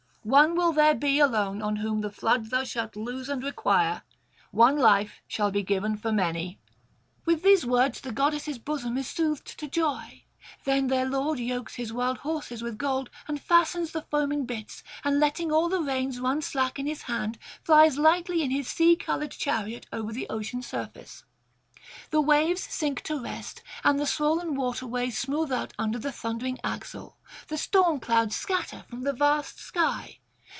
One will there be alone whom on the flood thou shalt lose and require; one life shall be given for many. ...' With these words the goddess' bosom is soothed to joy. Then their lord yokes his wild horses with gold and fastens the foaming bits, and letting all the reins run slack in his hand, flies lightly in his sea coloured chariot over the ocean surface. The waves sink to rest, and the swoln water ways smooth out under the thundering axle; the storm clouds scatter from the vast sky.